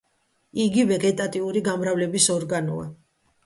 იგი ვეგეტატიური გამრავლების ორგანოა.